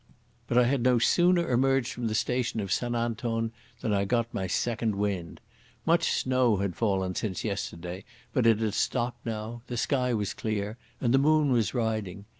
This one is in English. But I had no sooner emerged from the station of St Anton than I got my second wind. Much snow had fallen since yesterday, but it had stopped now, the sky was clear, and the moon was riding.